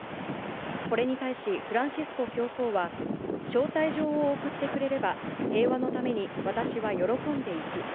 これに対し、フランシスコ教皇は招待状を送ってくれれば平和のために私は喜んで行く。